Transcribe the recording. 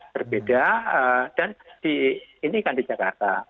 berbeda dan ini kan di jakarta